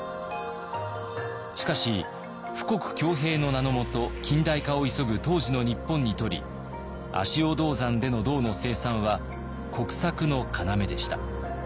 しかし富国強兵の名のもと近代化を急ぐ当時の日本にとり足尾銅山での銅の生産は国策の要でした。